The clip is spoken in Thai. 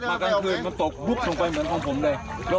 มากันคือมันตกบึ๊บลงไปเหมือนของผมเลย